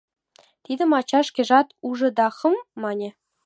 Тидым ача шкежат ужо да «Хм!» мане.